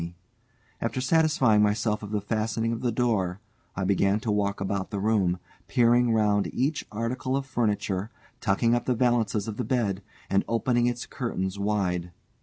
After satisfying myself of the fastening of the door, I began to walk about the room, peering round each article of furniture, tucking up the valances of the bed, and opening its curtains wide.